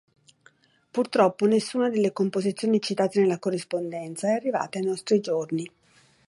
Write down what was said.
Purtroppo nessuna delle composizioni citate nella corrispondenza è arrivata ai nostri giorni.